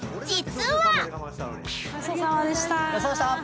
ごちそうさまでした。